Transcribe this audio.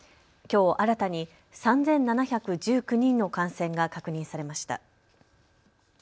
きょう新たに３７１９人の感染が確認されました。